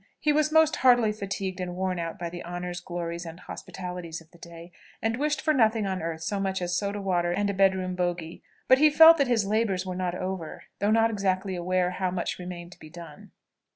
He was most heartily fatigued and worn out by the honours, glories, and hospitalities of the day, and wished for nothing on earth so much as soda water and a bed room bougie. But he felt that his labours were not over, though not exactly aware how much remained to be done.